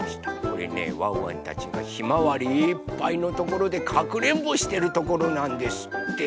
これねワンワンたちがひまわりいっぱいのところでかくれんぼしてるところなんですって。